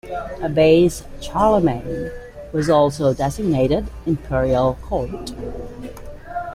A base Charlemagne was also designated imperial court.